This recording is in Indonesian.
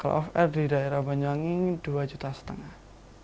kalau off air di daerah banyuwangi dua juta setengah